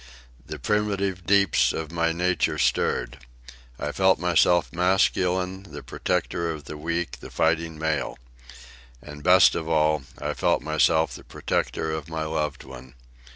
The primitive deeps of my nature stirred. I felt myself masculine, the protector of the weak, the fighting male. And, best of all, I felt myself the protector of my loved one.